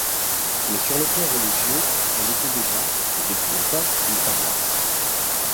Mais sur le plan religieux elle était déjà, et depuis longtemps, une paroisse.